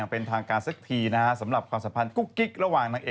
คนที่ชอบอาหารเหนือ